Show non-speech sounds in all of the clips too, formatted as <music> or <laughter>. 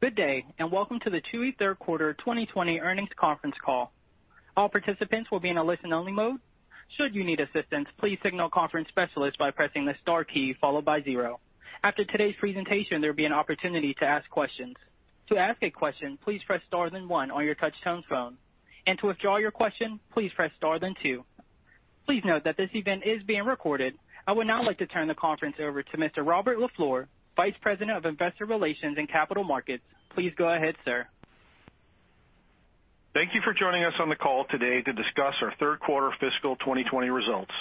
Good day. Welcome to the Chewy Q3 2020 earnings conference call. All participants will be in a listen only mode. Should you need assistance, please signal a conference specialist by pressing the star key followed by zero. After today's presentation, there will be an opportunity to ask questions. To ask a question, please press star then one on your touchtone phone. To withdraw your question, please press star then two. Please note that this event is being recorded. I would now like to turn the conference over to Mr. Robert LaFleur, Vice President of Investor Relations and Capital Markets. Please go ahead, sir. Thank you for joining us on the call today to discuss our Q3 fiscal 2020 results.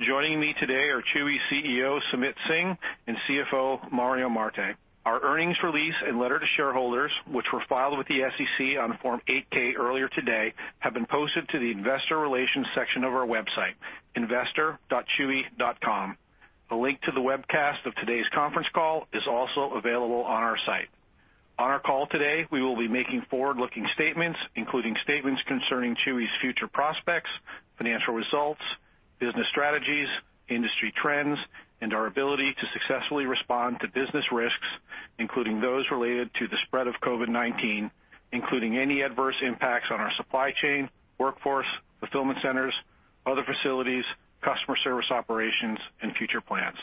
Joining me today are Chewy CEO, Sumit Singh, and CFO, Mario Marte. Our earnings release and letter to shareholders, which were filed with the SEC on Form 8-K earlier today, have been posted to the investor relations section of our website, investor.chewy.com. A link to the webcast of today's conference call is also available on our site. On our call today, we will be making forward-looking statements, including statements concerning Chewy's future prospects, financial results, business strategies, industry trends, and our ability to successfully respond to business risks, including those related to the spread of COVID-19, including any adverse impacts on our supply chain, workforce, fulfillment centers, other facilities, customer service operations, and future plans.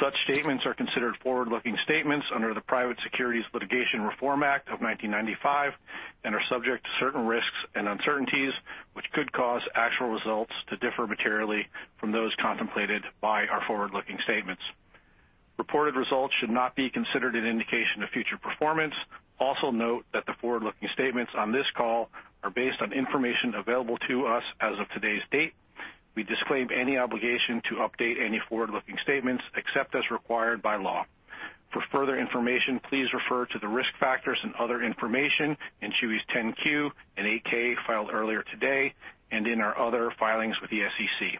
Such statements are considered forward-looking statements under the Private Securities Litigation Reform Act of 1995 and are subject to certain risks and uncertainties, which could cause actual results to differ materially from those contemplated by our forward-looking statements. Reported results should not be considered an indication of future performance. Note that the forward-looking statements on this call are based on information available to us as of today's date. We disclaim any obligation to update any forward-looking statements, except as required by law. For further information, please refer to the risk factors and other information in Chewy's 10-Q and 8-K filed earlier today, and in our other filings with the SEC.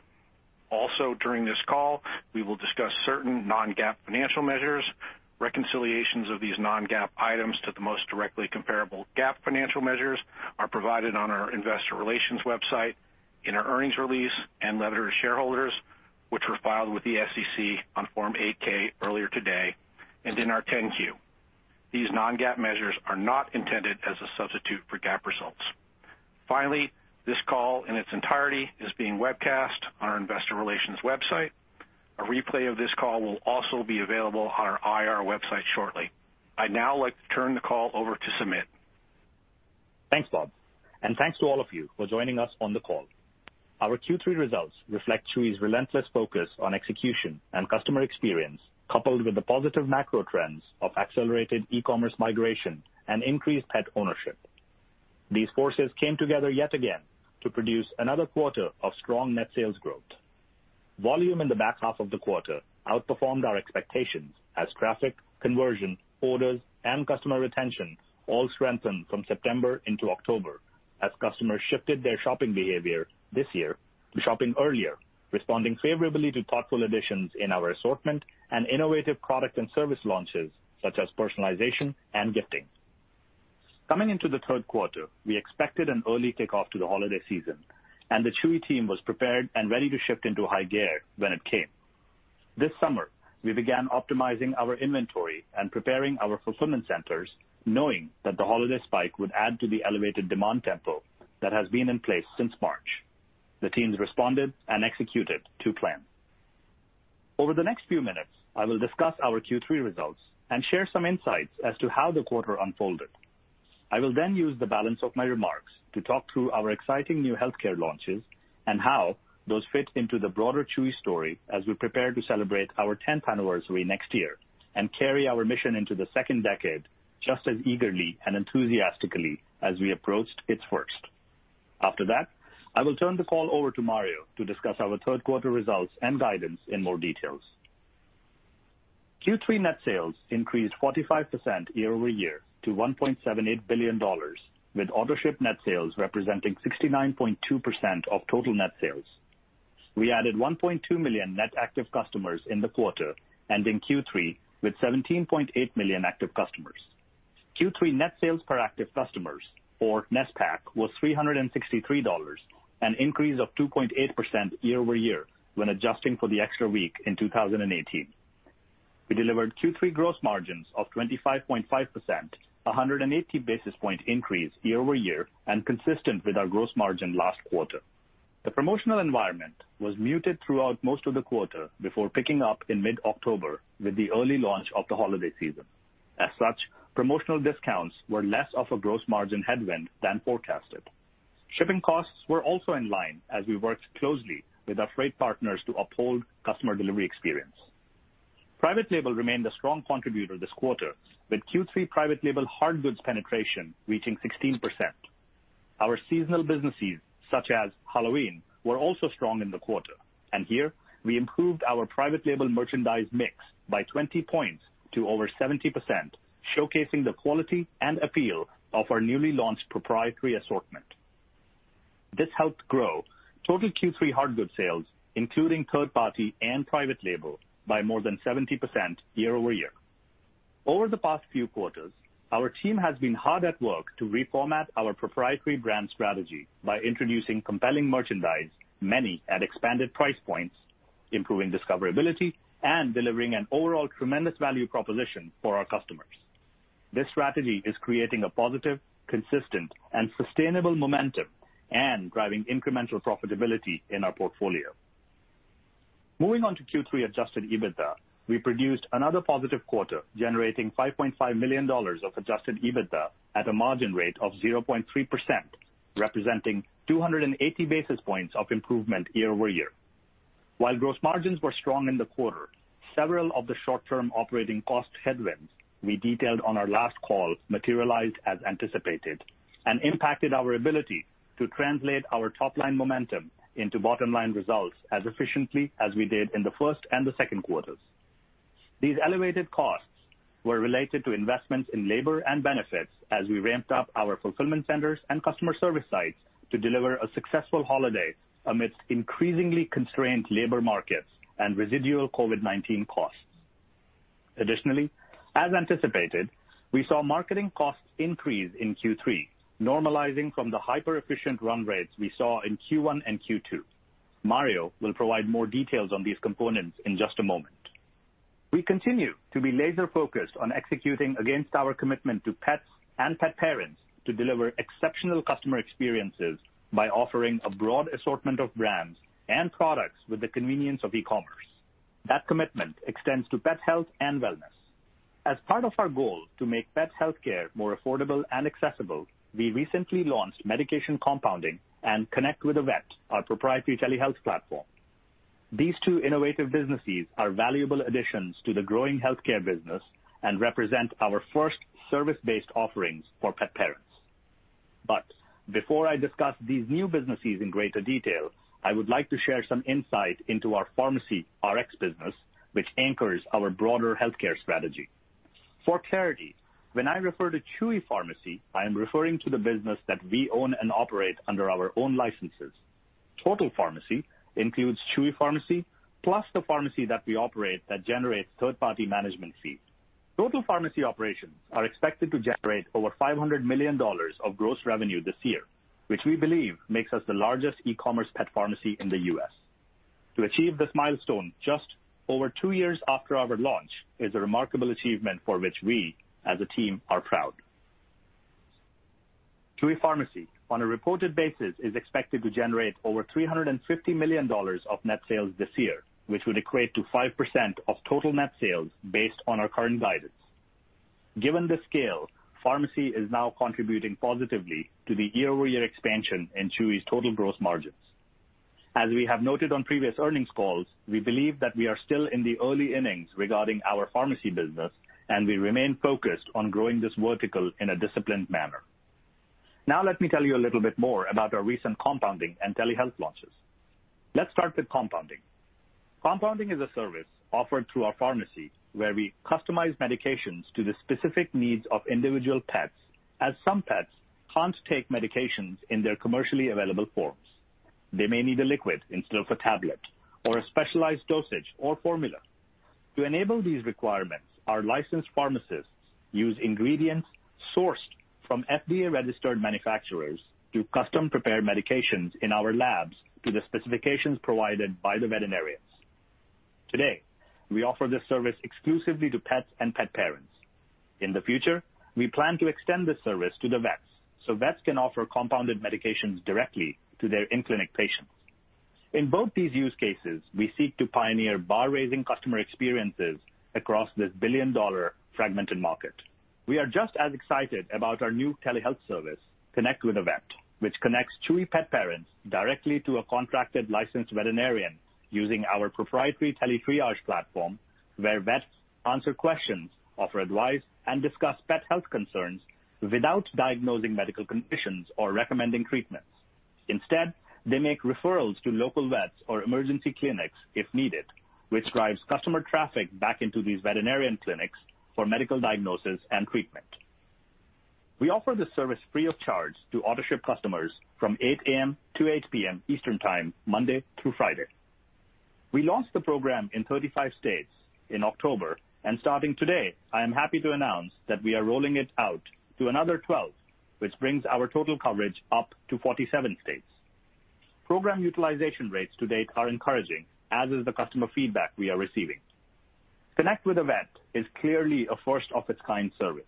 During this call, we will discuss certain non-GAAP financial measures. Reconciliations of these non-GAAP items to the most directly comparable GAAP financial measures are provided on our investor relations website, in our earnings release, and letter to shareholders, which were filed with the SEC on Form 8-K earlier today, and in our 10-Q. These non-GAAP measures are not intended as a substitute for GAAP results. Finally, this call in its entirety is being webcast on our investor relations website. A replay of this call will also be available on our IR website shortly. I'd now like to turn the call over to Sumit. Thanks, Bob. Thanks to all of you for joining us on the call. Our Q3 results reflect Chewy's relentless focus on execution and customer experience, coupled with the positive macro trends of accelerated e-commerce migration and increased pet ownership. These forces came together yet again to produce another quarter of strong net sales growth. Volume in the back half of the quarter outperformed our expectations as traffic, conversion, orders, and customer retention all strengthened from September into October as customers shifted their shopping behavior this year to shopping earlier, responding favorably to thoughtful additions in our assortment and innovative product and service launches, such as personalization and gifting. Coming into the Q3, we expected an early kickoff to the holiday season, and the Chewy team was prepared and ready to shift into high gear when it came. This summer, we began optimizing our inventory and preparing our fulfillment centers, knowing that the holiday spike would add to the elevated demand tempo that has been in place since March. The teams responded and executed to plan. Over the next few minutes, I will discuss our Q3 results and share some insights as to how the quarter unfolded. I will use the balance of my remarks to talk through our exciting new healthcare launches and how those fit into the broader Chewy story as we prepare to celebrate our 10th anniversary next year and carry our mission into the second decade just as eagerly and enthusiastically as we approached its first. After that, I will turn the call over to Mario to discuss our Q3 results and guidance in more details. Q3 net sales increased 45% year-over-year to $1.78 billion, with Autoship net sales representing 69.2% of total net sales. We added 1.2 million net active customers in the quarter, ending Q3 with 17.8 million active customers. Q3 net sales per active customers, or NSPAC, was $363, an increase of 2.8% year-over-year when adjusting for the extra week in 2018. We delivered Q3 gross margins of 25.5%, 180 basis point increase year-over-year, and consistent with our gross margin last quarter. The promotional environment was muted throughout most of the quarter before picking up in mid-October with the early launch of the holiday season. As such, promotional discounts were less of a gross margin headwind than forecasted. Shipping costs were also in line as we worked closely with our freight partners to uphold customer delivery experience. Private label remained a strong contributor this quarter, with Q3 private label hard goods penetration reaching 16%. Our seasonal businesses, such as Halloween, were also strong in the quarter. Here, we improved our private label merchandise mix by 20 points to over 70%, showcasing the quality and appeal of our newly launched proprietary assortment. This helped grow total Q3 hard goods sales, including third party and private label, by more than 70% year-over-year. Over the past few quarters, our team has been hard at work to reformat our proprietary brand strategy by introducing compelling merchandise, many at expanded price points, improving discoverability and delivering an overall tremendous value proposition for our customers. This strategy is creating a positive, consistent, and sustainable momentum and driving incremental profitability in our portfolio. Moving on to Q3 adjusted EBITDA, we produced another positive quarter, generating $5.5 million of adjusted EBITDA at a margin rate of 0.3%, representing 280 basis points of improvement year-over-year. While gross margins were strong in the quarter, several of the short-term operating cost headwinds we detailed on our last call materialized as anticipated and impacted our ability to translate our top-line momentum into bottom-line results as efficiently as we did in the Q1 and the Q2. These elevated costs were related to investments in labor and benefits as we ramped up our fulfillment centers and customer service sites to deliver a successful holiday amidst increasingly constrained labor markets and residual COVID-19 costs. Additionally, as anticipated, we saw marketing costs increase in Q3, normalizing from the hyper-efficient run rates we saw in Q1 and Q2. Mario will provide more details on these components in just a moment. We continue to be laser-focused on executing against our commitment to pets and pet parents to deliver exceptional customer experiences by offering a broad assortment of brands and products with the convenience of e-commerce. That commitment extends to pet health and wellness. As part of our goal to make pet healthcare more affordable and accessible, we recently launched medication compounding and Connect with a Vet, our proprietary telehealth platform. These two innovative businesses are valuable additions to the growing healthcare business and represent our first service-based offerings for pet parents. Before I discuss these new businesses in greater detail, I would like to share some insight into our pharmacy Rx business, which anchors our broader healthcare strategy. For clarity, when I refer to Chewy Pharmacy, I am referring to the business that we own and operate under our own licenses. Total pharmacy includes Chewy Pharmacy, plus the pharmacy that we operate that generates third-party management fees. Total pharmacy operations are expected to generate over $500 million of gross revenue this year, which we believe makes us the largest e-commerce pet pharmacy in the U.S. To achieve this milestone just over two years after our launch is a remarkable achievement for which we, as a team, are proud. Chewy Pharmacy, on a reported basis, is expected to generate over $350 million of net sales this year, which would equate to 5% of total net sales based on our current guidance. Given the scale, pharmacy is now contributing positively to the year-over-year expansion in Chewy's total gross margins. As we have noted on previous earnings calls, we believe that we are still in the early innings regarding our pharmacy business, and we remain focused on growing this vertical in a disciplined manner. Now let me tell you a little bit more about our recent compounding and telehealth launches. Let's start with compounding. Compounding is a service offered through our pharmacy where we customize medications to the specific needs of individual pets, as some pets can't take medications in their commercially available forms. They may need a liquid instead of a tablet or a specialized dosage or formula. To enable these requirements, our licensed pharmacists use ingredients sourced from FDA-registered manufacturers to custom prepare medications in our labs to the specifications provided by the veterinarians. Today, we offer this service exclusively to pets and pet parents. In the future, we plan to extend this service to the vets so vets can offer compounded medications directly to their in-clinic patients. In both these use cases, we seek to pioneer bar-raising customer experiences across this billion-dollar fragmented market. We are just as excited about our new telehealth service, Connect with a Vet, which connects Chewy pet parents directly to a contracted licensed veterinarian using our proprietary tele-triage platform, where vets answer questions, offer advice, and discuss pet health concerns without diagnosing medical conditions or recommending treatments. Instead, they make referrals to local vets or emergency clinics if needed, which drives customer traffic back into these veterinarian clinics for medical diagnosis and treatment. We offer this service free of charge to Autoship customers from 8:00 A.M. to 8:00 P.M. Eastern Time, Monday through Friday. We launched the program in 35 states in October, and starting today, I am happy to announce that we are rolling it out to another 12, which brings our total coverage up to 47 states. Program utilization rates to date are encouraging, as is the customer feedback we are receiving. Connect with a Vet is clearly a first-of-its-kind service.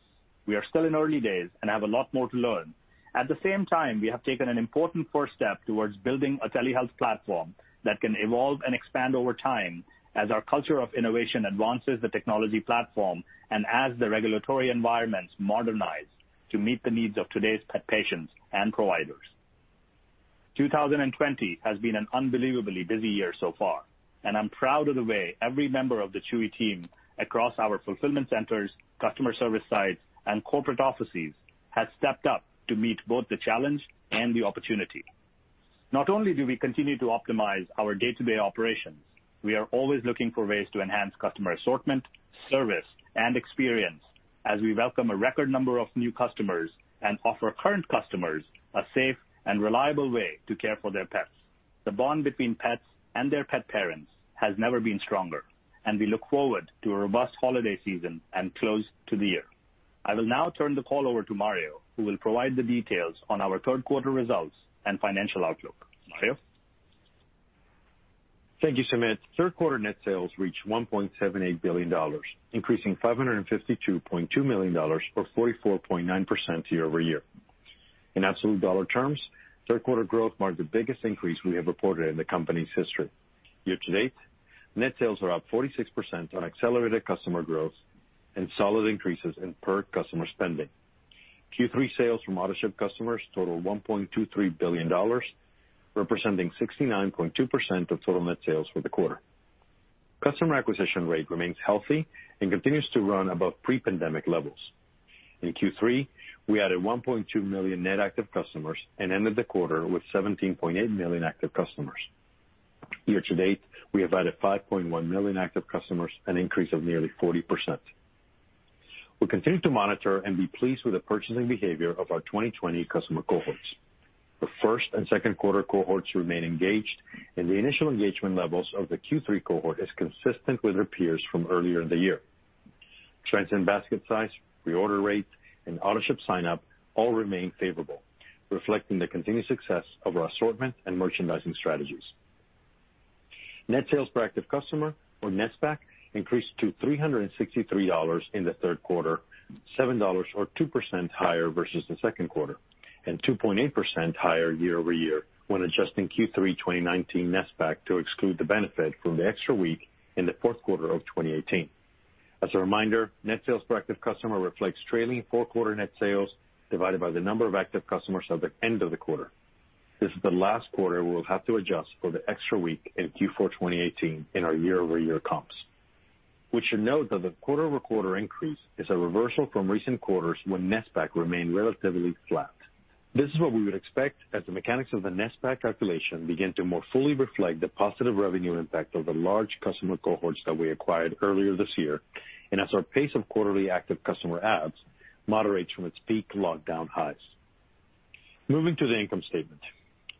We are still in early days and have a lot more to learn. At the same time, we have taken an important first step towards building a telehealth platform that can evolve and expand over time as our culture of innovation advances the technology platform and as the regulatory environments modernize to meet the needs of today's pet patients and providers. 2020 has been an unbelievably busy year so far, and I'm proud of the way every member of the Chewy team across our fulfillment centers, customer service sites, and corporate offices has stepped up to meet both the challenge and the opportunity. Not only do we continue to optimize our day-to-day operations, we are always looking for ways to enhance customer assortment, service, and experience as we welcome a record number of new customers and offer current customers a safe and reliable way to care for their pets. The bond between pets and their pet parents has never been stronger. We look forward to a robust holiday season and close to the year. I will now turn the call over to Mario, who will provide the details on our Q3 results and financial outlook. Mario? Thank you, Sumit. Q3 net sales reached $1.78 billion, increasing by $552.2 million, or 44.9% year-over-year. In absolute dollar terms, Q3 growth marked the biggest increase we have reported in the company's history. Year to date, net sales are up 46% on accelerated customer growth and solid increases in per-customer spending. Q3 sales from Autoship customers total $1.23 billion, representing 69.2% of total net sales for the quarter. Customer acquisition rate remains healthy and continues to run above pre-pandemic levels. In Q3, we added 1.2 million net active customers and ended the quarter with 17.8 million active customers. Year to date, we have added 5.1 million active customers, an increase of nearly 40%. We continue to monitor and be pleased with the purchasing behavior of our 2020 customer cohorts. The first and Q2 cohorts remain engaged, and the initial engagement levels of the Q3 cohort is consistent with their peers from earlier in the year. Trends in basket size, reorder rates, and Autoship sign-up all remain favorable, reflecting the continued success of our assortment and merchandising strategies. Net Sales Per Active Customer, or NSPAC, increased to $363 in the Q3, $7 or 2% higher versus the Q2, and 2.8% higher year-over-year when adjusting Q3 2019 NSPAC to exclude the benefit from the extra week in the Q4 of 2018. As a reminder, Net Sales Per Active Customer reflects trailing four-quarter net sales divided by the number of active customers at the end of the quarter. This is the last quarter we will have to adjust for the extra week in Q4 2018 in our year-over-year comps. We should note that the quarter-over-quarter increase is a reversal from recent quarters when NSPAC remained relatively flat. This is what we would expect as the mechanics of the NSPAC calculation begin to more fully reflect the positive revenue impact of the large customer cohorts that we acquired earlier this year, and as our pace of quarterly active customer adds moderates from its peak lockdown highs. Moving to the income statement.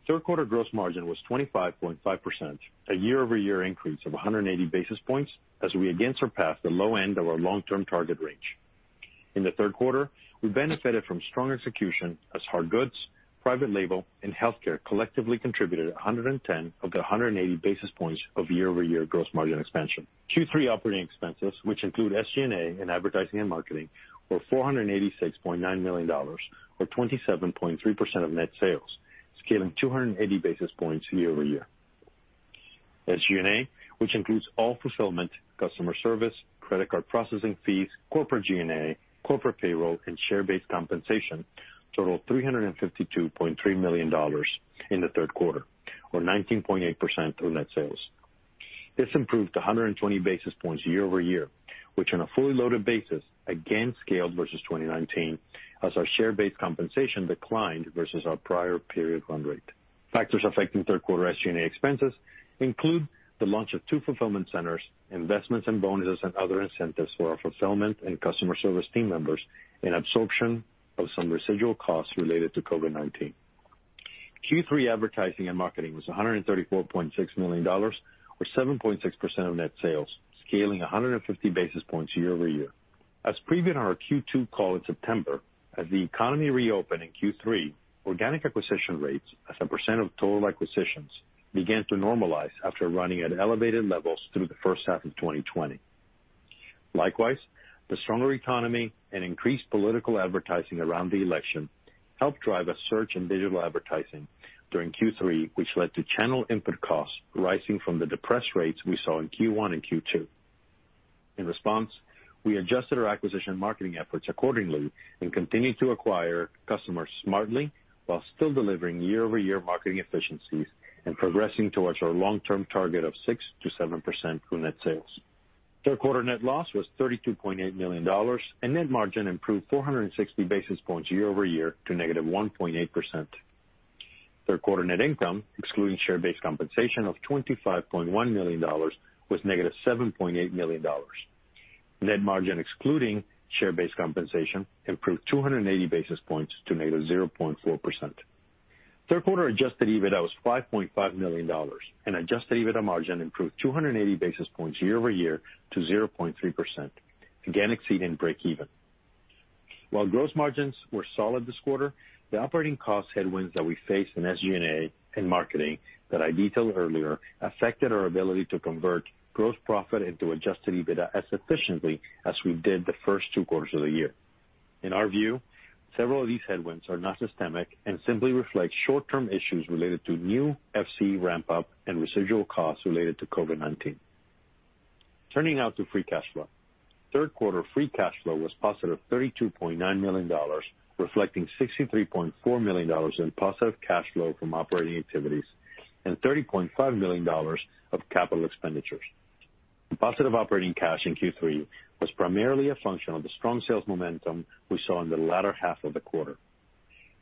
Q3 gross margin was 25.5%, a year-over-year increase of 180 basis points as we again surpassed the low end of our long-term target range. In the Q3, we benefited from strong execution as hard goods, private label, and healthcare collectively contributed 110 of the 180 basis points of year-over-year gross margin expansion. Q3 operating expenses, which include SG&A and advertising and marketing, were $486.9 million, or 27.3% of net sales, scaling 280 basis points year-over-year. SG&A, which includes all fulfillment, customer service, credit card processing fees, corporate G&A, corporate payroll, and share-based compensation, totaled $352.3 million in the Q3, or 19.8% of net sales. This improved 120 basis points year-over-year, which on a fully loaded basis, again scaled versus 2019 as our share-based compensation declined versus our prior period run rate. Factors affecting Q3 SG&A expenses include the launch of two fulfillment centers, investments in bonuses and other incentives for our fulfillment and customer service team members, and absorption of some residual costs related to COVID-19. Q3 advertising and marketing was $134.6 million, or 7.6% of net sales, scaling 150 basis points year-over-year. As previewed on our Q2 call in September, as the economy reopened in Q3, organic acquisition rates as a percent of total acquisitions began to normalize after running at elevated levels through the H1 of 2020. Likewise, the stronger economy and increased political advertising around the election helped drive a surge in digital advertising during Q3, which led to channel input costs rising from the depressed rates we saw in Q1 and Q2. In response, we adjusted our acquisition marketing efforts accordingly and continued to acquire customers smartly, while still delivering year-over-year marketing efficiencies and progressing towards our long-term target of 6% to 7% of net sales. Q3 net loss was $32.8 million, and net margin improved 460 basis points year-over-year to -1.8%. Q3 net income, excluding share-based compensation of $25.1 million, was -$7.8 million. Net margin excluding share-based compensation improved 280 basis points to -0.4%. Q3 adjusted EBITDA was $5.5 million, and adjusted EBITDA margin improved 280 basis points year-over-year to 0.3%, again exceeding break even. While gross margins were solid this quarter, the operating cost headwinds that we faced in SG&A and marketing that I detailed earlier affected our ability to convert gross profit into adjusted EBITDA as efficiently as we did the first two quarters of the year. In our view, several of these headwinds are not systemic and simply reflect short-term issues related to new FC ramp-up and residual costs related to COVID-19. Turning now to free cash flow. Q3 free cash flow was positive $32.9 million, reflecting $63.4 million in positive cash flow from operating activities and $30.5 million of capital expenditures. The positive operating cash in Q3 was primarily a function of the strong sales momentum we saw in the latter half of the quarter.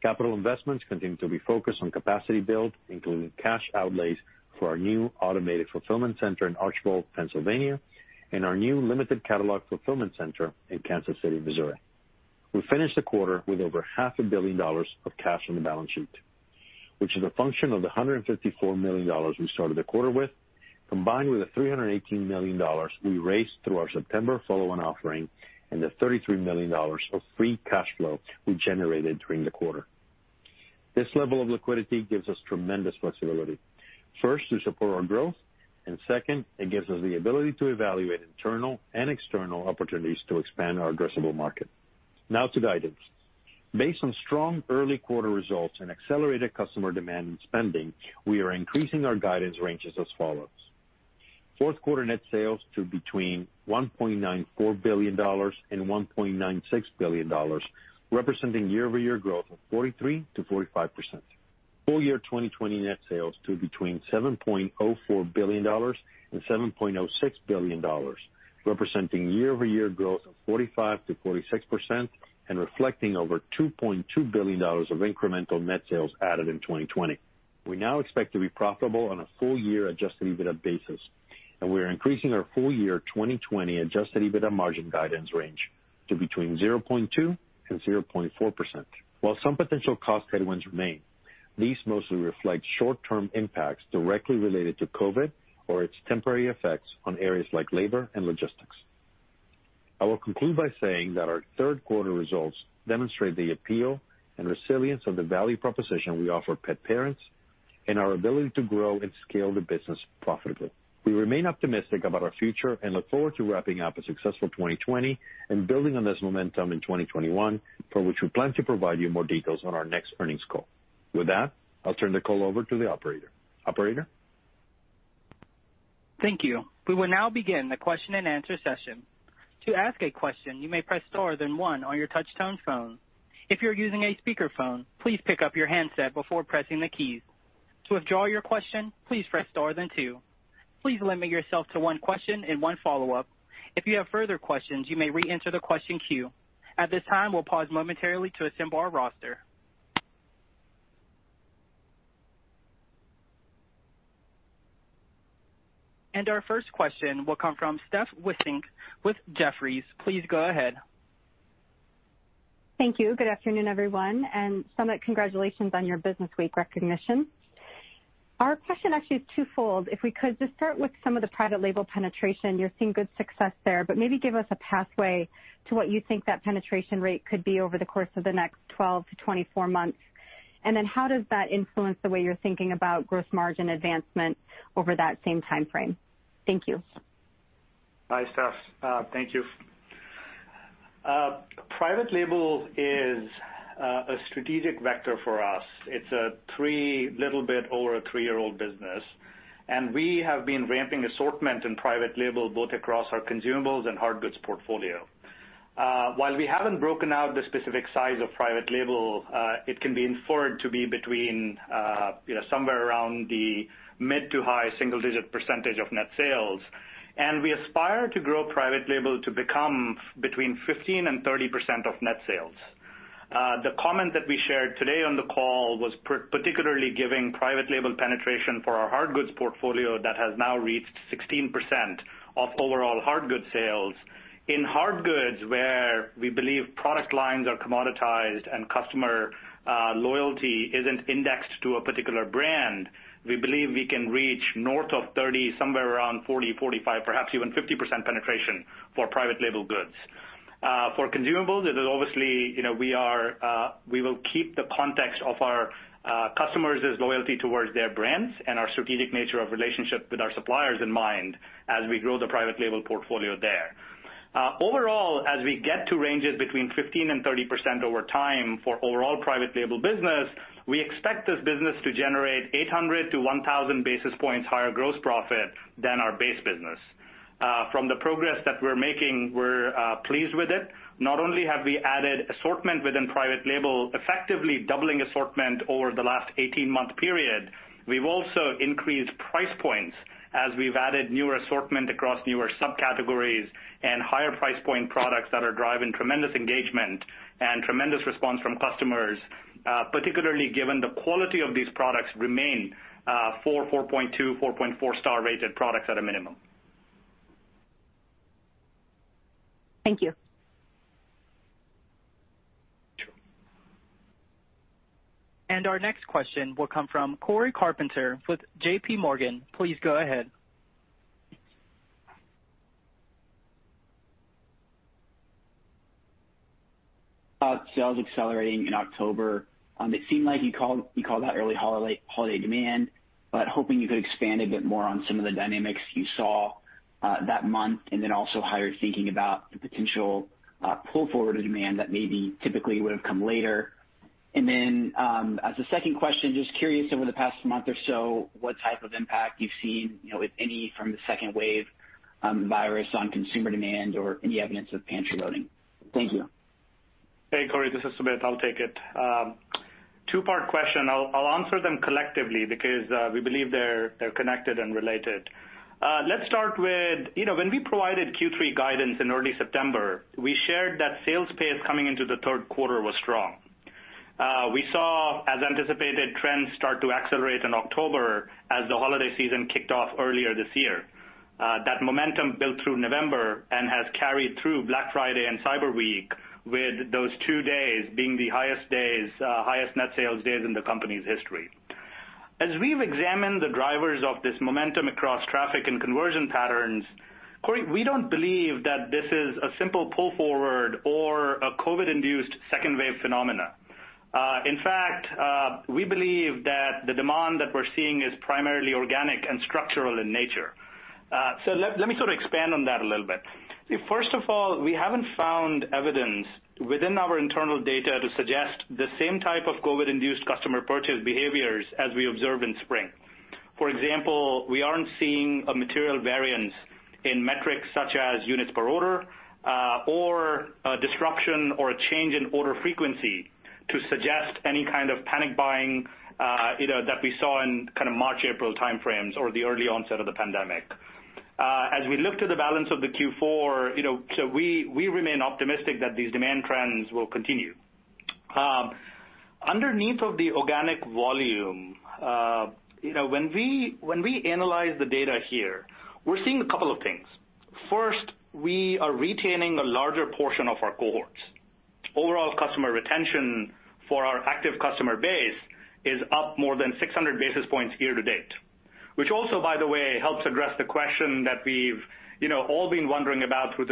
Capital investments continue to be focused on capacity build, including cash outlays for our new automated fulfillment center in Archbald, Pennsylvania, and our new limited catalog fulfillment center in Kansas City, Missouri. We finished the quarter with over half a billion dollars of cash on the balance sheet. Which is a function of the $154 million we started the quarter with, combined with the $318 million we raised through our September follow-on offering, and the $33 million of free cash flow we generated during the quarter. This level of liquidity gives us tremendous flexibility. First, to support our growth, and second, it gives us the ability to evaluate internal and external opportunities to expand our addressable market. Now to guidance. Based on strong early quarter results and accelerated customer demand and spending, we are increasing our guidance ranges as follows. Q4 net sales to between $1.94 billion and $1.96 billion, representing year-over-year growth of 43%-45%. Full year 2020 net sales to between $7.04 billion and $7.06 billion, representing year-over-year growth of 45%-46% and reflecting over $2.2 billion of incremental net sales added in 2020. We now expect to be profitable on a full year adjusted EBITDA basis, and we are increasing our full year 2020 adjusted EBITDA margin guidance range to between 0.2% and 0.4%. While some potential cost headwinds remain, these mostly reflect short-term impacts directly related to COVID or its temporary effects on areas like labor and logistics. I will conclude by saying that our Q3 results demonstrate the appeal and resilience of the value proposition we offer pet parents and our ability to grow and scale the business profitably. We remain optimistic about our future and look forward to wrapping up a successful 2020 and building on this momentum in 2021, for which we plan to provide you more details on our next earnings call. With that, I'll turn the call over to the operator. Operator? Thank you. We will now begin the question and answer session. To ask a question, you may press star then one on your touch-tone phone. If you're using a speakerphone, please pick up your handset before pressing the keys. To withdraw your question, please press star then two. Please limit yourself to one question and one follow-up. If you have further questions, you may reenter the question queue. At this time, we'll pause momentarily to assemble our roster. Our first question will come from Steph Wissink with Jefferies. Please go ahead. Thank you. Good afternoon, everyone, and Sumit, congratulations on your Bloomberg Businessweek recognition. Our question actually is twofold. If we could just start with some of the private label penetration. You're seeing good success there, but maybe give us a pathway to what you think that penetration rate could be over the course of the next 12 to 24 months. Then how does that influence the way you're thinking about gross margin advancement over that same timeframe? Thank you. Hi, Steph. Thank you. Private label is a strategic vector for us. It's a little bit over a three-year-old business, and we have been ramping assortment in private label both across our consumables and hard goods portfolio. While we haven't broken out the specific size of private label, it can be inferred to be between somewhere around the mid to high single-digit % of net sales. We aspire to grow private label to become between 15% and 30% of net sales. The comment that we shared today on the call was particularly giving private label penetration for our hard goods portfolio that has now reached 16% of overall hard goods sales. In hard goods, where we believe product lines are commoditized and customer loyalty isn't indexed to a particular brand, we believe we can reach north of 30%, somewhere around 40%, 45%, perhaps even 50% penetration for private label goods. For consumables, we will keep the context of our customers' loyalty towards their brands and our strategic nature of relationship with our suppliers in mind as we grow the private label portfolio there. Overall, as we get to ranges between 15% and 30% over time for overall private label business, we expect this business to generate 800 to 1,000 basis points higher gross profit than our base business. From the progress that we're making, we're pleased with it. Not only have we added assortment within private label, effectively doubling assortment over the last 18-month period, we've also increased price points as we've added newer assortment across newer subcategories and higher price point products that are driving tremendous engagement and tremendous response from customers, particularly given the quality of these products remain four, 4.2, 4.4 star rated products at a minimum. Thank you. Sure. Our next question will come from Cory Carpenter with JPMorgan. Please go ahead. About sales accelerating in October, it seemed like you called out early holiday demand. Hoping you could expand a bit more on some of the dynamics you saw that month, also how you're thinking about the potential pull-forward of demand that maybe typically would've come later. As a second question, just curious, over the past month or so, what type of impact you've seen, if any, from the second wave virus on consumer demand or any evidence of pantry loading. Thank you. Hey, Cory. This is Sumit. I'll take it. Two-part question. I'll answer them collectively because we believe they're connected and related. Let's start with when we provided Q3 guidance in early September, we shared that sales pace coming into the Q3 was strong. We saw, as anticipated, trends start to accelerate in October as the holiday season kicked off earlier this year. That momentum built through November and has carried through Black Friday and Cyber Week, with those two days being the highest net sales days in the company's history. As we've examined the drivers of this momentum across traffic and conversion patterns, Cory, we don't believe that this is a simple pull forward or a COVID-induced second wave phenomenon. In fact, we believe that the demand that we're seeing is primarily organic and structural in nature. Let me sort of expand on that a little bit. First of all, we haven't found evidence within our internal data to suggest the same type of COVID-induced customer purchase behaviors as we observed in spring. For example, we aren't seeing a material variance in metrics such as units per order, or a disruption or a change in order frequency to suggest any kind of panic buying that we saw in March, April timeframes or the early onset of the pandemic. As we look to the balance of the Q4, we remain optimistic that these demand trends will continue. Underneath of the organic volume, when we analyze the data here, we're seeing a couple of things. First, we are retaining a larger portion of our cohorts. Overall customer retention for our active customer base is up more than 600 basis points year to date, which also, by the way, helps address the question that we've all been wondering about through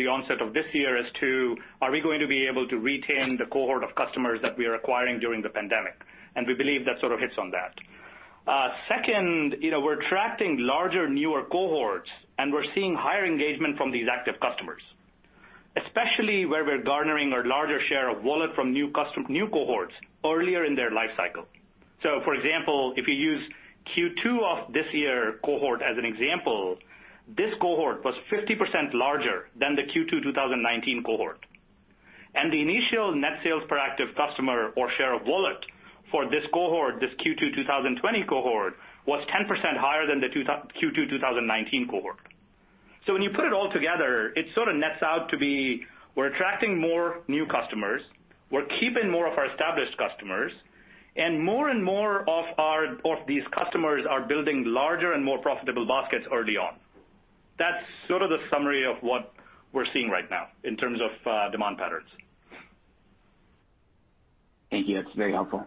the onset of this year as to, are we going to be able to retain the cohort of customers that we are acquiring during the pandemic? We believe that sort of hits on that. Second, we're attracting larger, newer cohorts, and we're seeing higher engagement from these active customers, especially where we're garnering a larger share of wallet from new cohorts earlier in their life cycle. For example, if you use Q2 of this year cohort as an example, this cohort was 50% larger than the Q2 2019 cohort. The initial net sales per active customer or share of wallet for this cohort, this Q2 2020 cohort, was 10% higher than the Q2 2019 cohort. When you put it all together, it sort of nets out to be, we're attracting more new customers, we're keeping more of our established customers, and more and more of these customers are building larger and more profitable baskets early on. That's sort of the summary of what we're seeing right now in terms of demand patterns. Thank you. That's very helpful.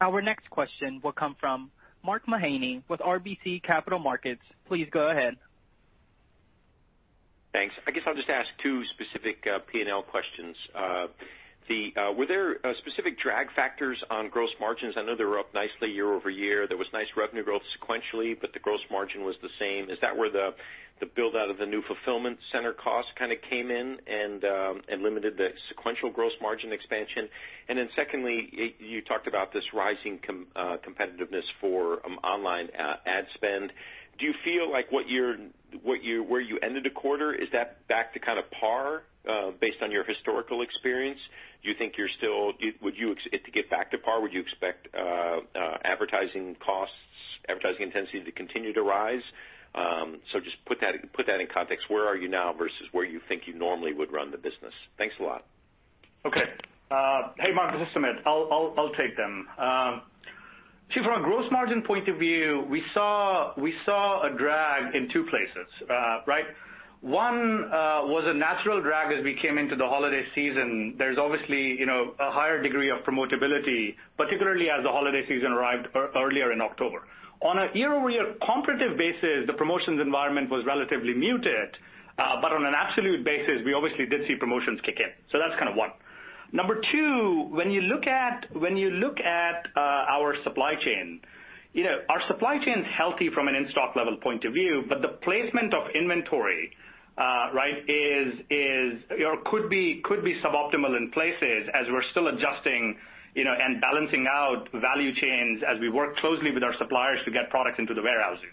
Our next question will come from Mark Mahaney with RBC Capital Markets. Please go ahead. Thanks. I guess I'll just ask two specific P&L questions. Were there specific drag factors on gross margins? I know they were up nicely year-over-year. There was nice revenue growth sequentially, but the gross margin was the same. Is that where the build-out of the new fulfillment center cost kind of came in and limited the sequential gross margin expansion? Then secondly, you talked about this rising competitiveness for online ad spend. Do you feel like where you ended a quarter, is that back to kind of par, based on your historical experience? To get back to par, would you expect advertising costs, advertising intensity to continue to rise? Just put that in context. Where are you now versus where you think you normally would run the business? Thanks a lot. Okay. Hey, Mark, this is Sumit. I'll take them. From a gross margin point of view, we saw a drag in two places. One was a natural drag as we came into the holiday season. There's obviously a higher degree of promotability, particularly as the holiday season arrived earlier in October. On a year-over-year comparative basis, the promotions environment was relatively muted. On an absolute basis, we obviously did see promotions kick in. That's kind of one. Number two, when you look at our supply chain, our supply chain's healthy from an in-stock level point of view, but the placement of inventory could be suboptimal in places as we're still adjusting and balancing out value chains as we work closely with our suppliers to get product into the warehouses.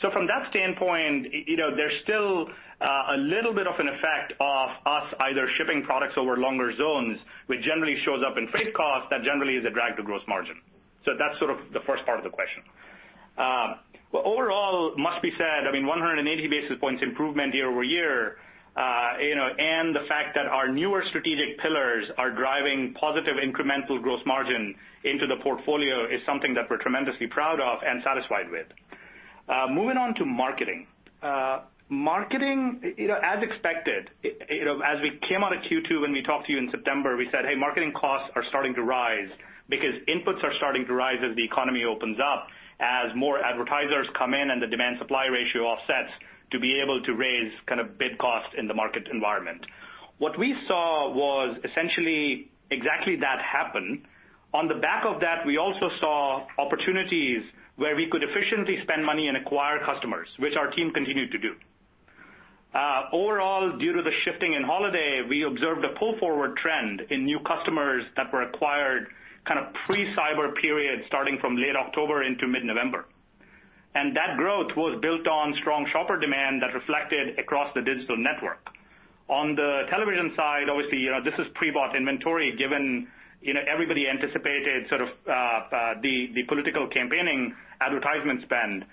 From that standpoint, there's still a little bit of an effect of us either shipping products over longer zones, which generally shows up in freight costs that generally is a drag to gross margin. That's sort of the first part of the question. Overall, must be said, 180 basis points improvement year-over-year, and the fact that our newer strategic pillars are driving positive incremental gross margin into the portfolio is something that we're tremendously proud of and satisfied with. Moving on to marketing. Marketing, as expected, as we came out of Q2, when we talked to you in September, we said, "Hey, marketing costs are starting to rise because inputs are starting to rise as the economy opens up, as more advertisers come in and the demand supply ratio offsets to be able to raise kind of bid costs in the market environment." What we saw was essentially exactly that happen. On the back of that, we also saw opportunities where we could efficiently spend money and acquire customers, which our team continued to do. Overall, due to the shifting in holiday, we observed a pull forward trend in new customers that were acquired kind of pre-Cyber period starting from late October into mid-November. That growth was built on strong shopper demand that reflected across the digital network. On the television side, obviously, this is pre-bought inventory given everybody anticipated sort of the political campaigning advertisement spend.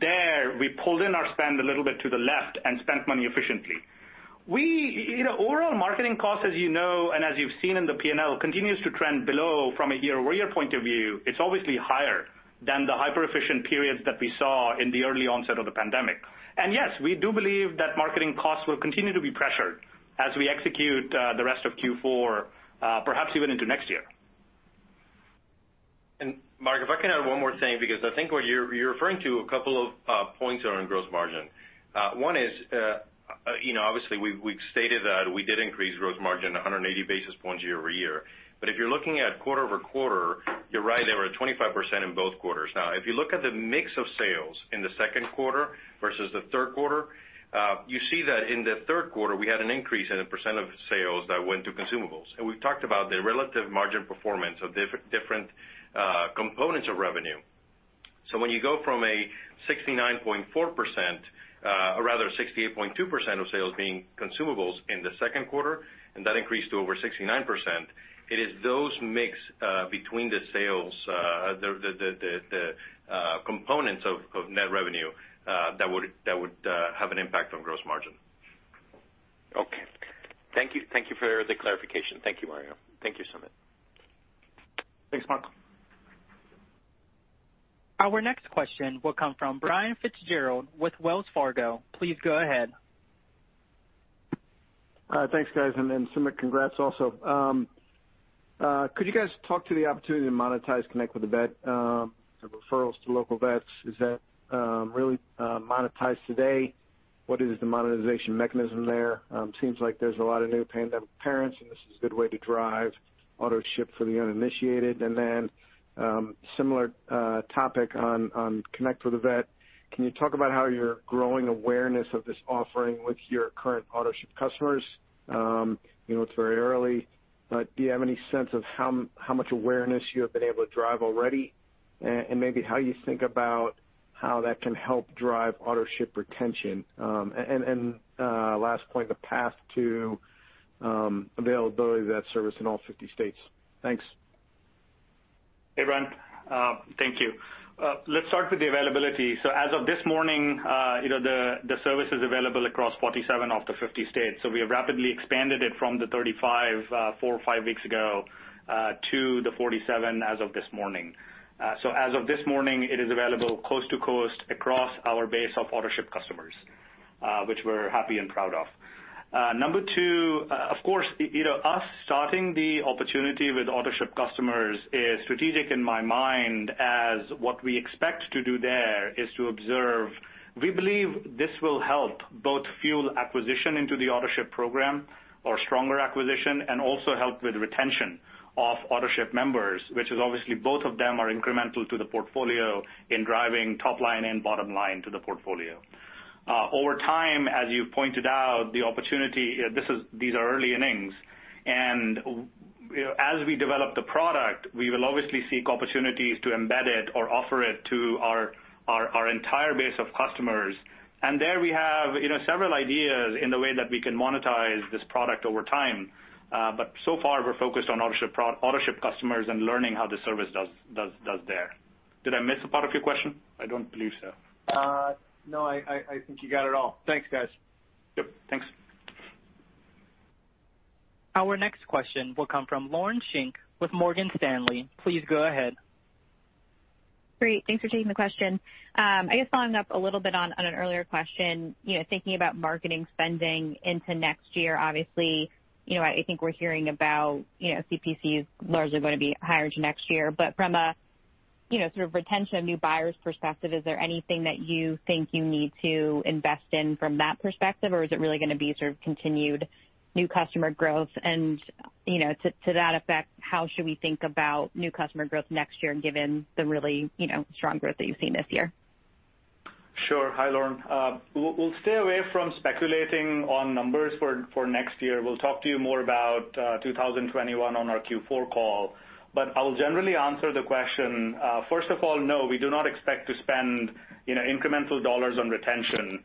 There we pulled in our spend a little bit to the left and spent money efficiently. Overall marketing costs, as you know, and as you've seen in the P&L, continues to trend below from a year-over-year point of view. It's obviously higher than the hyper-efficient periods that we saw in the early onset of the pandemic. Yes, we do believe that marketing costs will continue to be pressured as we execute the rest of Q4, perhaps even into next year. Mark, if I can add one more thing, because I think what you're referring to, a couple of points are on gross margin. One is, obviously, we've stated that we did increase gross margin 180 basis points year-over-year. If you're looking at quarter-over-quarter, you're right, they were 25% in both quarters. If you look at the mix of sales in the Q2 versus the Q3, you see that in the Q3, we had an increase in the percent of sales that went to consumables. We've talked about the relative margin performance of different components of revenue. When you go from a 69.4%, or rather 68.2% of sales being consumables in the Q2, and that increased to over 69%, it is those mix between the sales, the components of net revenue, that would have an impact on gross margin. Okay. Thank you for the clarification. Thank you, Mario. Thank you, Sumit. Thanks, Mark. Our next question will come from Brian Fitzgerald with Wells Fargo. Please go ahead. Hi, thanks, guys, and Sumit, congrats also. Could you guys talk to the opportunity to monetize Connect with a Vet, the referrals to local vets? Is that really monetized today? What is the monetization mechanism there? Seems like there's a lot of new pandemic parents, and this is a good way to drive Autoship for the uninitiated. Similar topic on Connect with a Vet. Can you talk about how you're growing awareness of this offering with your current Autoship customers? It's very early, but do you have any sense of how much awareness you have been able to drive already? Maybe how you think about how that can help drive Autoship retention. Last point, the path to availability of that service in all 50 states. Thanks. Hey, Brian. Thank you. As of this morning, the service is available across 47 of the 50 states. We have rapidly expanded it from the 35, four or five weeks ago, to the 47 as of this morning. As of this morning, it is available coast to coast across our base of Autoship customers, which we're happy and proud of. Number two, of course, us starting the opportunity with Autoship customers is strategic in my mind as what we expect to do there is to observe. We believe this will help both fuel acquisition into the Autoship program, or stronger acquisition, and also help with retention of Autoship members, which is obviously both of them are incremental to the portfolio in driving top line and bottom line to the portfolio. Over time, as you pointed out, the opportunity, these are early innings, and as we develop the product, we will obviously seek opportunities to embed it or offer it to our entire base of customers. There we have several ideas in the way that we can monetize this product over time. So far, we're focused on Autoship customers and learning how the service does there. Did I miss a part of your question? I don't believe so. No, I think you got it all. Thanks, guys. Yep, thanks. Our next question will come from Lauren Schenk with Morgan Stanley. Please go ahead. Great, thanks for taking the question. I guess following up a little bit on an earlier question, thinking about marketing spending into next year. Obviously, I think we're hearing about CPCs largely going to be higher to next year. From a sort of retention of new buyers perspective, is there anything that you think you need to invest in from that perspective? Is it really going to be sort of continued new customer growth and to that effect, how should we think about new customer growth next year given the really strong growth that you've seen this year? Sure. Hi, Lauren. We'll stay away from speculating on numbers for next year. We'll talk to you more about 2021 on our Q4 call, I'll generally answer the question. First of all, no, we do not expect to spend incremental dollars on retention.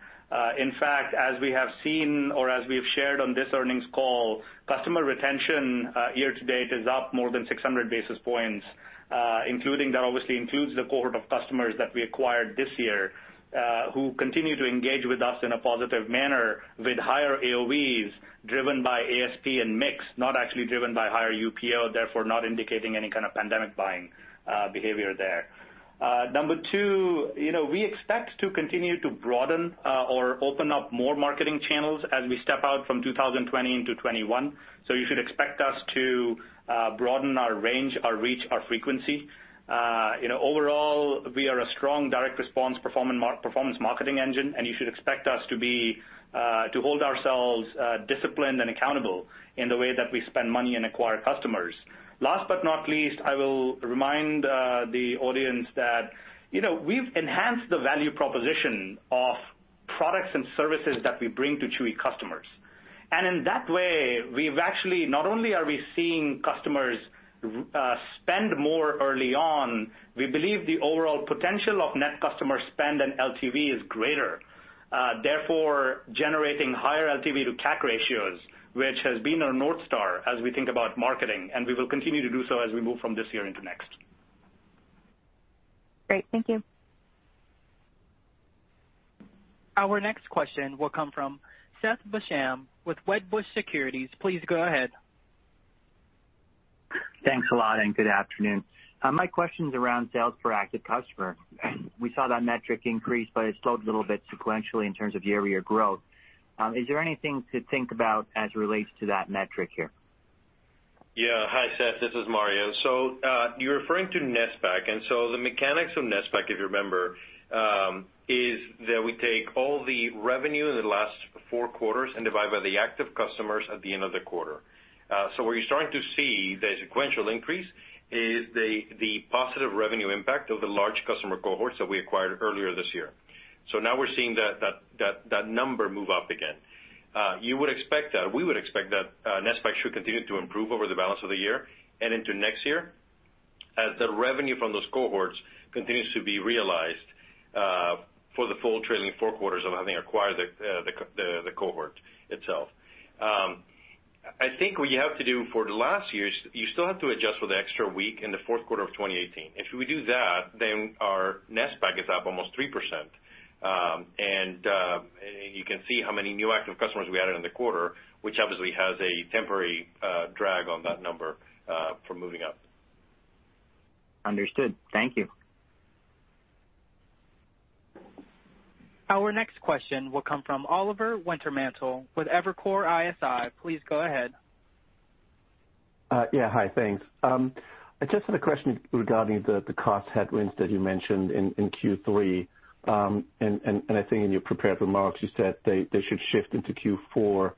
In fact, as we have seen or as we have shared on this earnings call, customer retention year to date is up more than 600 basis points. That obviously includes the cohort of customers that we acquired this year, who continue to engage with us in a positive manner with higher AOVs driven by ASP and mix, not actually driven by higher UPO, therefore not indicating any kind of pandemic buying behavior there. Number two, we expect to continue to broaden or open up more marketing channels as we step out from 2020 into 2021. You should expect us to broaden our range, our reach, our frequency. Overall, we are a strong direct response performance marketing engine, and you should expect us to hold ourselves disciplined and accountable in the way that we spend money and acquire customers. Last but not least, I will remind the audience that we've enhanced the value proposition of products and services that we bring to Chewy customers. In that way, not only are we seeing customers spend more early on, we believe the overall potential of net customer spend and LTV is greater. Therefore, generating higher LTV to CAC ratios, which has been our North Star as we think about marketing, and we will continue to do so as we move from this year into next. Great. Thank you. Our next question will come from Seth Basham with Wedbush Securities. Please go ahead. Thanks a lot, and good afternoon. My question's around sales per active customer. We saw that metric increase, but it slowed a little bit sequentially in terms of year-over-year growth. Is there anything to think about as it relates to that metric here? Hi, Seth, this is Mario. You're referring to NSPAC, and so the mechanics of NSPAC, if you remember, is that we take all the revenue in the last four quarters and divide by the active customers at the end of the quarter. Now we're seeing that number move up again. You would expect that, we would expect that NSPAC should continue to improve over the balance of the year and into next year as the revenue from those cohorts continues to be realized for the full trailing four quarters of having acquired the cohort itself. I think what you have to do for the last year is, you still have to adjust for the extra week in the Q4 of 2018. If we do that, our NSPAC is up almost 3%. You can see how many new active customers we added in the quarter, which obviously has a temporary drag on that number from moving up. Understood. Thank you. Our next question will come from Oliver Wintermantel with Evercore ISI. Please go ahead. Yeah. Hi, thanks. I just had a question regarding the cost headwinds that you mentioned in Q3. I think in your prepared remarks, you said they should shift into Q4,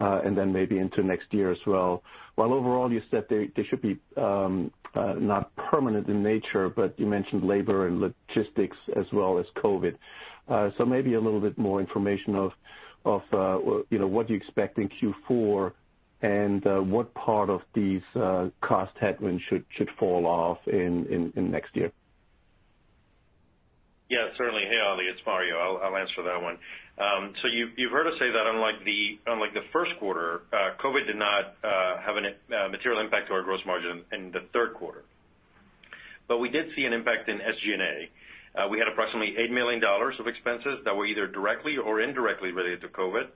and then maybe into next year as well. While overall, you said they should be not permanent in nature, but you mentioned labor and logistics as well as COVID-19. Maybe a little bit more information of what you expect in Q4 and what part of these cost headwinds should fall off in next year. Yeah, certainly. Hey, Oli, it's Mario. I'll answer that one. You've heard us say that unlike the Q1, COVID did not have a material impact to our gross margin in the Q3. We did see an impact in SG&A. We had approximately $8 million of expenses that were either directly or indirectly related to COVID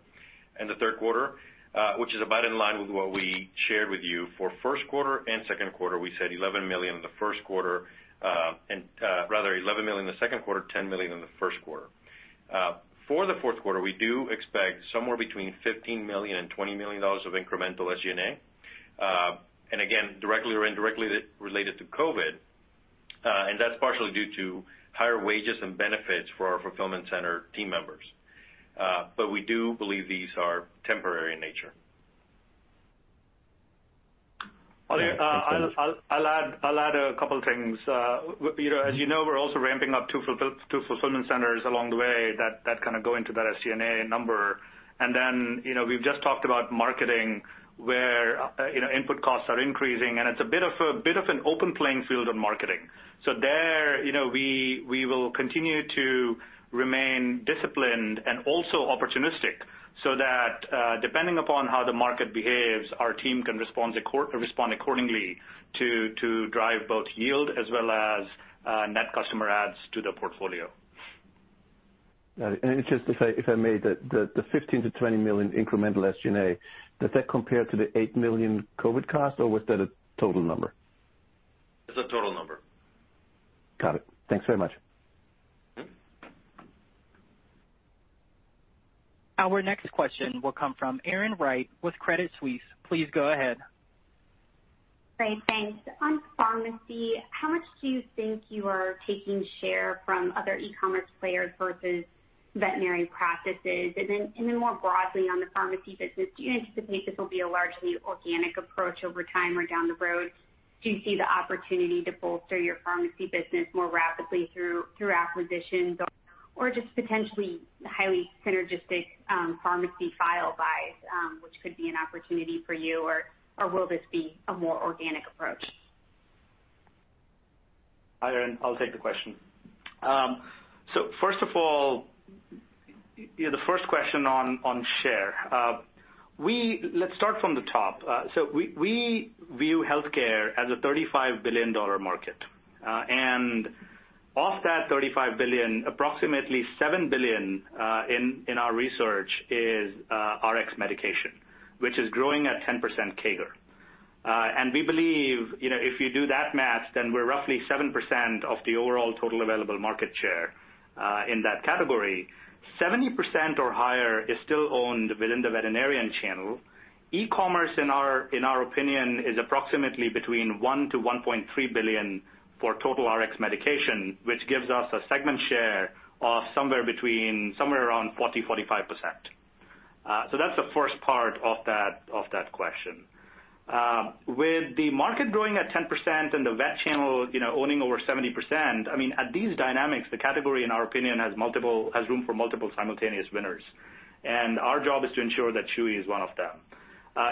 in the Q3, which is about in line with what we shared with you for Q1 and Q2. We said $11 million in the Q1, rather $11 million in the Q2, $10 million in the Q1. For the Q4, we do expect somewhere between $15 million and $20 million of incremental SG&A, and again, directly or indirectly related to COVID. That's partially due to higher wages and benefits for our fulfillment center team members. We do believe these are temporary in nature. <crosstalk> Oli, I'll add a couple of things. As you know, we're also ramping up two fulfillment centers along the way that kind of go into that SG&A number. We've just talked about marketing, where input costs are increasing, and it's a bit of an open playing field of marketing. There, we will continue to remain disciplined and also opportunistic, so that depending upon how the market behaves, our team can respond accordingly to drive both yield as well as net customer adds to the portfolio. Got it. Just if I may, the $15 million-$20 million incremental SG&A, does that compare to the $8 million COVID cost, or was that a total number? It's a total number. Got it. Thanks very much. Our next question will come from Erin Wright with Credit Suisse. Please go ahead. Great. Thanks. On pharmacy, how much do you think you are taking share from other e-commerce players versus veterinary practices? Then more broadly on the pharmacy business, do you anticipate this will be a largely organic approach over time or down the road? Do you see the opportunity to bolster your pharmacy business more rapidly through acquisitions or just potentially highly synergistic pharmacy file buys, which could be an opportunity for you? Or will this be a more organic approach? Hi, Erin, I'll take the question. First of all, the first question on share. Let's start from the top. We view healthcare as a $35 billion market. Of that $35 billion, approximately $7 billion in our research is RX medication, which is growing at 10% CAGR. We believe, if you do that math, then we're roughly 7% of the overall total available market share in that category. 70% or higher is still owned within the veterinarian channel. E-commerce, in our opinion, is approximately between $1 billion-$1.3 billion for total RX medication, which gives us a segment share of somewhere around 40%-45%. That's the first part of that question. With the market growing at 10% and the vet channel owning over 70%, I mean, at these dynamics, the category, in our opinion, has room for multiple simultaneous winners. Our job is to ensure that Chewy is one of them.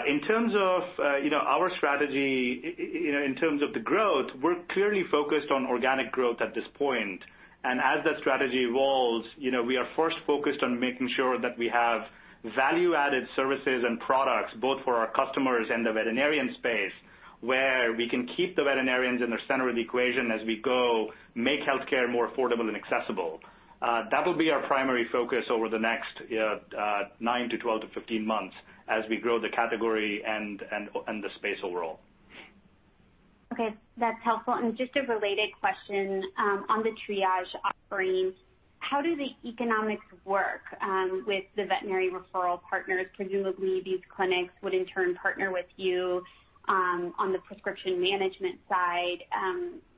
In terms of our strategy, in terms of the growth, we're clearly focused on organic growth at this point. As that strategy evolves, we are first focused on making sure that we have value-added services and products both for our customers and the veterinarian space, where we can keep the veterinarians in the center of the equation as we go make healthcare more affordable and accessible. That will be our primary focus over the next nine to 12 to 15 months as we grow the category and the space overall. Okay. That's helpful. Just a related question on the triage offering, how do the economics work with the veterinary referral partners? Presumably, these clinics would in turn partner with you on the prescription management side.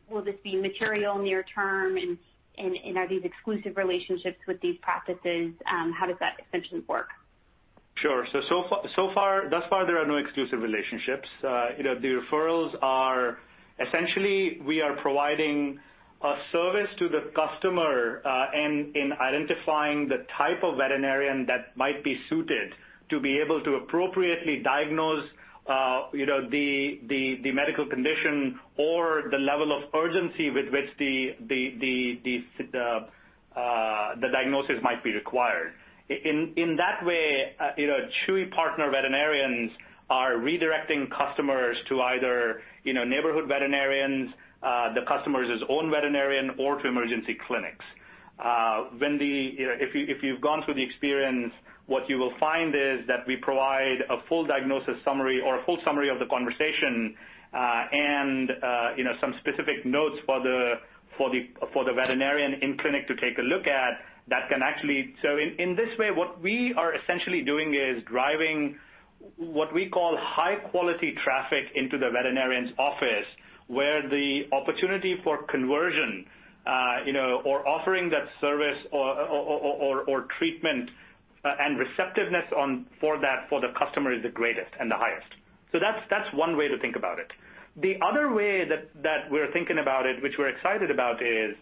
Will this be material near term, and are these exclusive relationships with these practices? How does that essentially work? Sure. Thus far, there are no exclusive relationships. The referrals are, essentially, we are providing a service to the customer in identifying the type of veterinarian that might be suited to be able to appropriately diagnose the medical condition or the level of urgency with which the diagnosis might be required. In that way, Chewy partner veterinarians are redirecting customers to either neighborhood veterinarians, the customer's own veterinarian, or to emergency clinics. If you've gone through the experience, what you will find is that we provide a full diagnosis summary or a full summary of the conversation, and some specific notes for the veterinarian in clinic to take a look at. In this way, what we are essentially doing is driving what we call high-quality traffic into the veterinarian's office, where the opportunity for conversion or offering that service or treatment and receptiveness for the customer is the greatest and the highest. That's one way to think about it. The other way that we're thinking about it, which we're excited about, is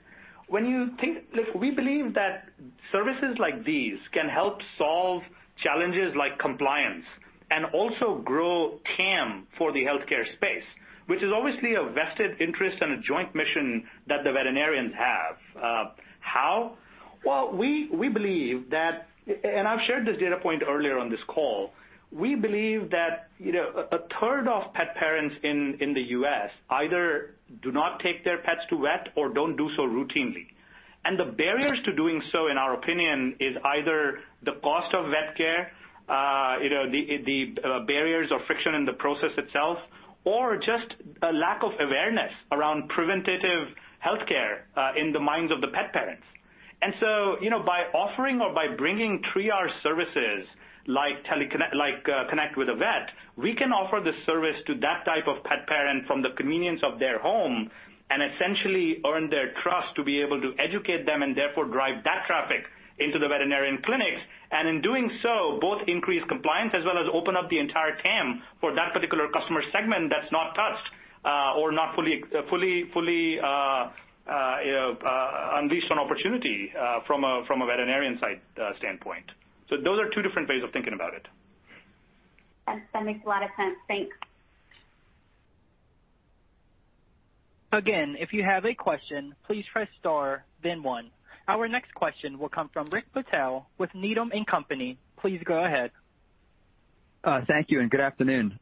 we believe that services like these can help solve challenges like compliance and also grow TAM for the healthcare space, which is obviously a vested interest and a joint mission that the veterinarians have. How? Well, we believe that, and I've shared this data point earlier on this call, we believe that a third of pet parents in the U.S. either do not take their pets to vet or don't do so routinely. The barriers to doing so, in our opinion, is either the cost of vet care, the barriers or friction in the process itself, or just a lack of awareness around preventative healthcare in the minds of the pet parents. By offering or by bringing triage services like Connect with a Vet, we can offer the service to that type of pet parent from the convenience of their home and essentially earn their trust to be able to educate them and therefore drive that traffic into the veterinarian clinics. In doing so, both increase compliance as well as open up the entire TAM for that particular customer segment that's not touched or not fully unleashed on opportunity from a veterinarian side standpoint. Those are two different ways of thinking about it. That makes a lot of sense. Thanks. Our next question will come from Rick Patel with Needham & Company. Please go ahead. Thank you, good afternoon.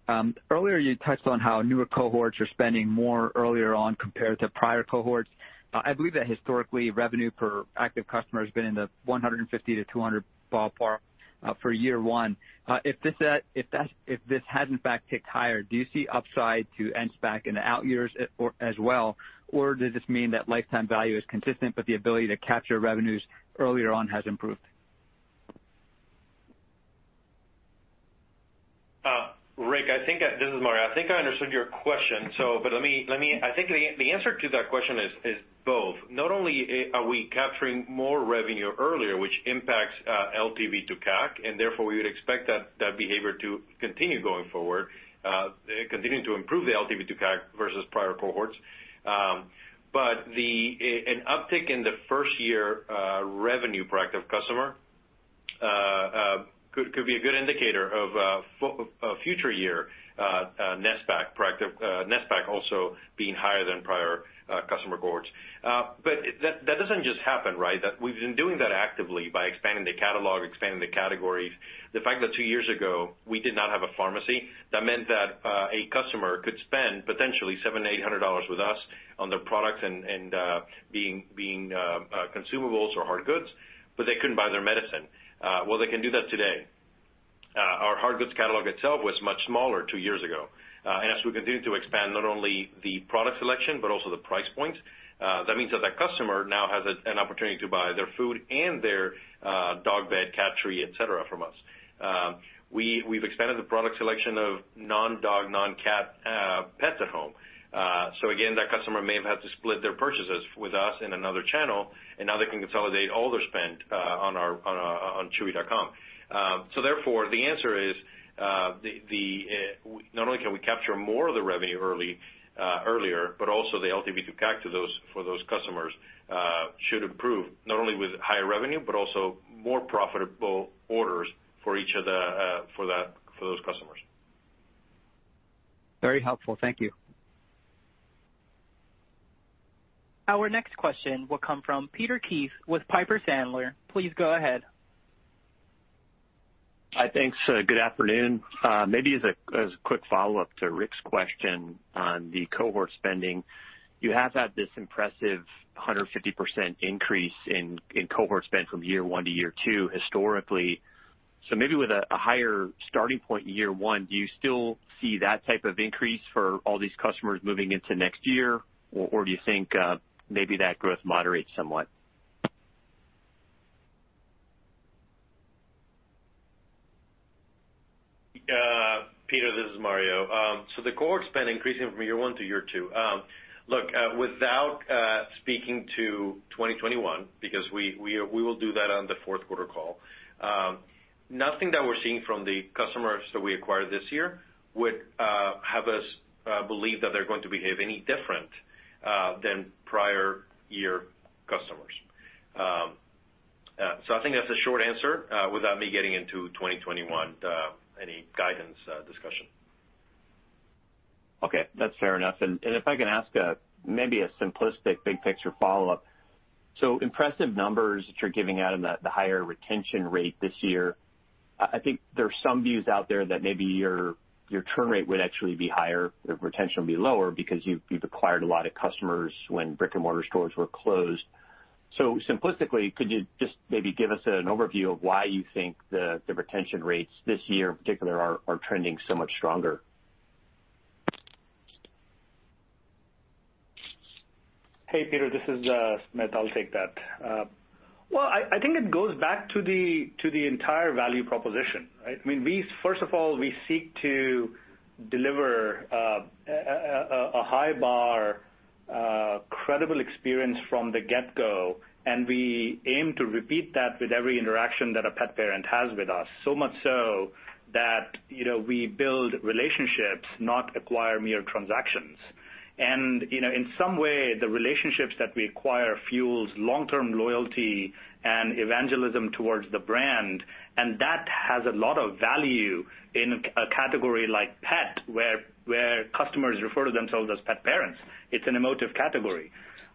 Earlier, you touched on how newer cohorts are spending more earlier on compared to prior cohorts. I believe that historically, revenue per active customer has been in the $150-$200 ballpark for year one. If this has in fact ticked higher, do you see upside to NSPAC in the out years as well, or does this mean that lifetime value is consistent, but the ability to capture revenues earlier on has improved? Rick, this is Mario. I think I understood your question. I think the answer to that question is both. Not only are we capturing more revenue earlier, which impacts LTV to CAC, and therefore we would expect that behavior to continue going forward, continuing to improve the LTV to CAC versus prior cohorts. An uptick in the first-year revenue per active customer could be a good indicator of future year NSPAC also being higher than prior customer cohorts. That doesn't just happen, right? We've been doing that actively by expanding the catalog, expanding the categories. The fact that two years ago, we did not have a pharmacy, that meant that a customer could spend potentially $700, $800 with us on their products and being consumables or hard goods, but they couldn't buy their medicine. They can do that today. Our hard goods catalog itself was much smaller two years ago. As we continue to expand not only the product selection, but also the price points, that means that the customer now has an opportunity to buy their food and their dog bed, cat tree, et cetera, from us. We've expanded the product selection of non-dog, non-cat pets at home. Again, that customer may have had to split their purchases with us in another channel, and now they can consolidate all their spend on chewy.com. Therefore, the answer is, not only can we capture more of the revenue earlier, but also the LTV to CAC for those customers should improve, not only with higher revenue but also more profitable orders for those customers. Very helpful. Thank you. Our next question will come from Peter Keith with Piper Sandler. Please go ahead. Hi. Thanks. Good afternoon. Maybe as a quick follow-up to Rick's question on the cohort spending, you have had this impressive 150% increase in cohort spend from year one to year two historically. So maybe with a higher starting point in year one, do you still see that type of increase for all these customers moving into next year? Or do you think maybe that growth moderates somewhat? Peter, this is Mario. The cohort spend increasing from year one to year two. Look, without speaking to 2021, because we will do that on the Q4 call, nothing that we're seeing from the customers that we acquired this year would have us believe that they're going to behave any different than prior-year customers. I think that's the short answer, without me getting into 2021, any guidance discussion. That's fair enough. If I can ask maybe a simplistic big picture follow-up. Impressive numbers that you're giving out on the higher retention rate this year. I think there's some views out there that maybe your churn rate would actually be higher, your retention would be lower because you've acquired a lot of customers when brick and mortar stores were closed. Simplistically, could you just maybe give us an overview of why you think the retention rates this year in particular are trending so much stronger? Hey, Peter, this is Sumit. I'll take that. Well, I think it goes back to the entire value proposition, right? First of all, we seek to deliver a high bar, credible experience from the get-go. We aim to repeat that with every interaction that a pet parent has with us. So much so that, we build relationships, not acquire mere transactions. In some way, the relationships that we acquire fuels long-term loyalty and evangelism towards the brand. That has a lot of value in a category like pet, where customers refer to themselves as pet parents. It's an emotive category.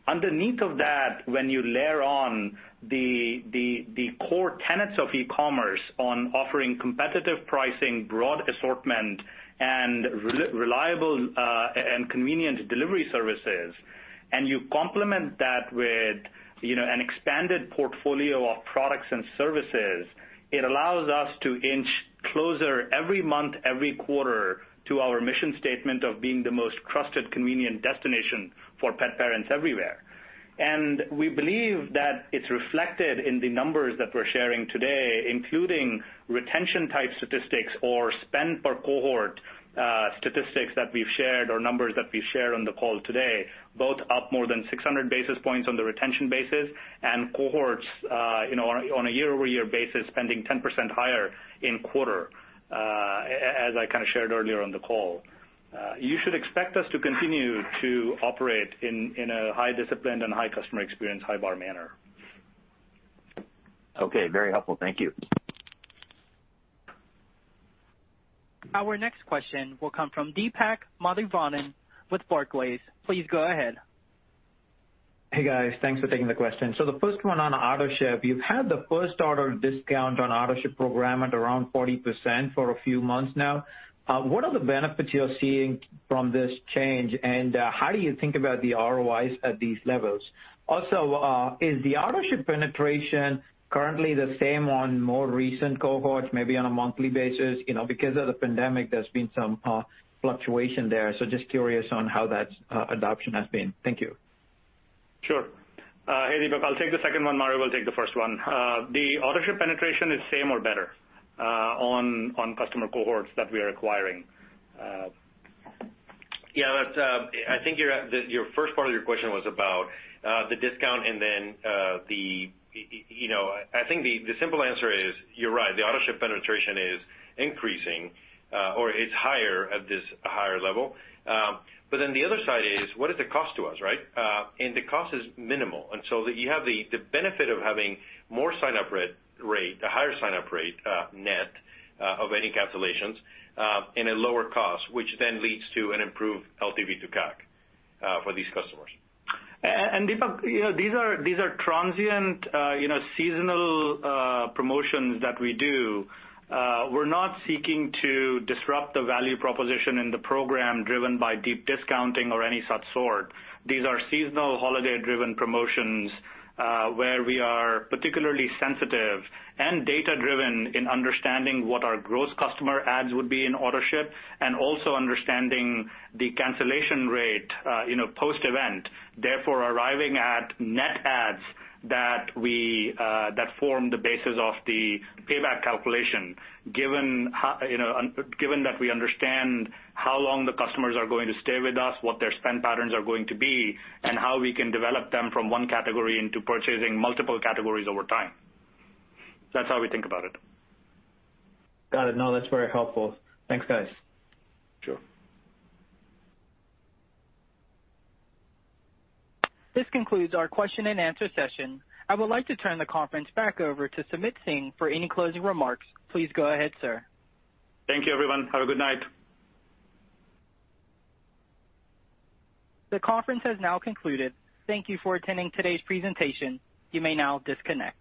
Underneath of that, when you layer on the core tenets of e-commerce on offering competitive pricing, broad assortment, and reliable and convenient delivery services, and you complement that with an expanded portfolio of products and services, it allows us to inch closer every month, every quarter, to our mission statement of being the most trusted, convenient destination for pet parents everywhere. We believe that it's reflected in the numbers that we're sharing today, including retention-type statistics or spend-per-cohort statistics that we've shared, or numbers that we've shared on the call today, both up more than 600 basis points on the retention basis, and cohorts on a year-over-year basis, spending 10% higher in quarter, as I kind of shared earlier on the call. You should expect us to continue to operate in a high discipline and high customer experience, high bar manner. Okay. Very helpful. Thank you. Our next question will come from Deepak Mathivanan with Barclays. Please go ahead. Hey, guys. Thanks for taking the question. The first one on Autoship. You've had the first order discount on Autoship program at around 40% for a few months now. What are the benefits you're seeing from this change, and how do you think about the ROIs at these levels? Also, is the Autoship penetration currently the same on more recent cohorts, maybe on a monthly basis? Because of the pandemic, there's been some fluctuation there, just curious on how that adoption has been. Thank you. Sure. Hey, Deepak. I'll take the second one. Mario will take the first one. The Autoship penetration is same or better on customer cohorts that we are acquiring. I think your first part of your question was about the discount. I think the simple answer is, you're right, the Autoship penetration is increasing, or it's higher at this higher level. The other side is, what is the cost to us, right? The cost is minimal. You have the benefit of having more sign-up rate, a higher sign-up rate net, of any cancellations, and a lower cost, which leads to an improved LTV to CAC for these customers. Deepak, these are transient, seasonal promotions that we do. We're not seeking to disrupt the value proposition in the program driven by deep discounting or any such sort. These are seasonal, holiday-driven promotions, where we are particularly sensitive and data-driven in understanding what our gross customer adds would be in Autoship, and also understanding the cancellation rate post-event, therefore, arriving at net adds that form the basis of the payback calculation, given that we understand how long the customers are going to stay with us, what their spend patterns are going to be, and how we can develop them from one category into purchasing multiple categories over time. That's how we think about it. Got it. No, that's very helpful. Thanks, guys. Sure. This concludes our question and answer session. I would like to turn the conference back over to Sumit Singh for any closing remarks. Please go ahead, sir. Thank you, everyone. Have a good night. The conference has now concluded. Thank you for attending today's presentation. You may now disconnect.